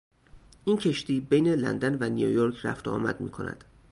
این کشتی بین لندن و نیویورک رفت و آمد میکند.